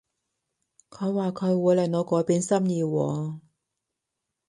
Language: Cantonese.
佢話佢會令我改變心意喎